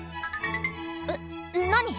えっ何？